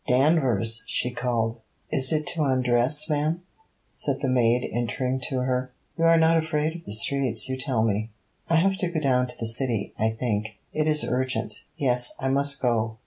'Danvers!' she called. 'Is it to undress, ma'am?' said the maid, entering to her. 'You are not afraid of the streets, you tell me. I have to go down to the City, I think. It is urgent. Yes, I must go.